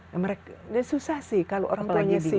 dan susah sih kalau orang tuanya sibuk